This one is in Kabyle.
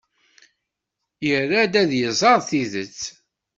Ira ad iẓer tidet.